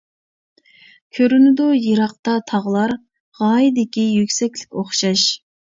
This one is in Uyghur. كۆرۈنىدۇ يىراقتا تاغلار، غايىدىكى يۈكسەكلىك ئوخشاش.